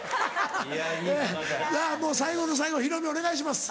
もう最後の最後ヒロミお願いします。